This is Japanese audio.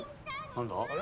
何だ？